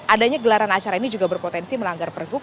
adanya gelaran acara ini juga berpotensi melanggar pergub